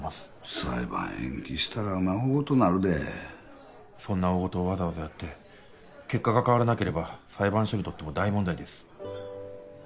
裁判延期したら大ごとなるでそんな大ごとをわざわざやって結果が変わらなければ裁判所にとっても大問題です